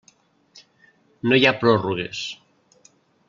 No hi ha pròrrogues.